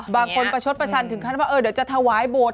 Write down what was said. บางคนประชดประชันถึงครั้งนึกว่าเดี๋ยวจะทะวายบท